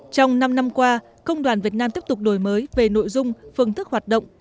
trong năm năm qua công đoàn việt nam tiếp tục đổi mới về nội dung phương thức hoạt động